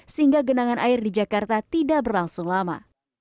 sehingga genangan air di jakarta tidak berlangsung lama